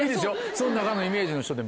その中のイメージの人で。